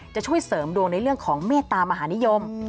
จะช่วยเสริมดวงในเรื่องของเมตตามหานิยม